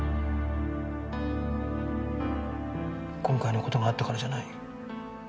今回の事があったからじゃない。